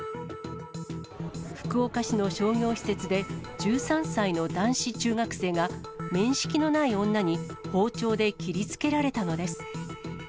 福岡市の商業施設で、１３歳の男子中学生が、面識のない女に包丁で切りつけられたのです。